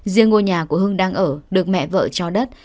riêng ngôi nhà của hưng đang ở được mẹ vợ cho đất